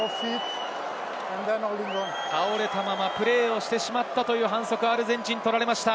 倒れたままプレーをしてしまったという反則をアルゼンチンが取られました。